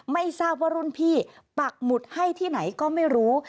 ไม่ทราบว่ารุ่นพี่ปักหมุดให้ที่ไหนก็ไม่รู้